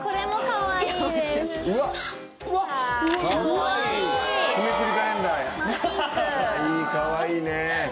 かわいいかわいいね。